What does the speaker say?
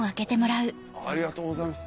ありがとうございます。